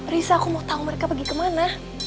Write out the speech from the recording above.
risa aku mau tahu mereka pergi kemana